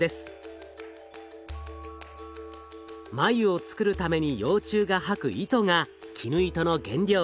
繭を作るために幼虫が吐く糸が絹糸の原料。